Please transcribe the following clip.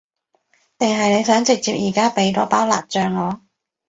定係你想直接而家畀多包辣醬我？